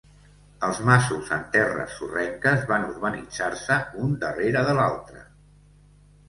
Els masos en terres sorrenques van urbanitzar-se un darrere de l'altre.